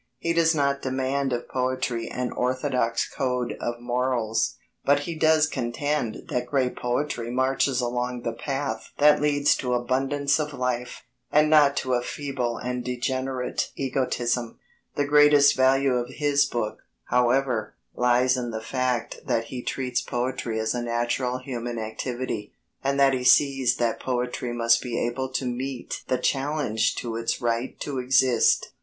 He does not demand of poetry an orthodox code of morals, but he does contend that great poetry marches along the path that leads to abundance of life, and not to a feeble and degenerate egotism. The greatest value of his book, however, lies in the fact that he treats poetry as a natural human activity, and that he sees that poetry must be able to meet the challenge to its right to exist.